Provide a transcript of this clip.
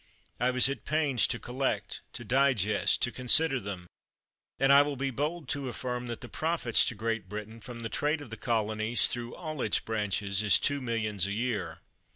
I was at pains to collect, to digest, to consider them; and I will be bold to affirm that the profits to Great Britain from the trade of the colonies, through all its branches, is two mil lions a year.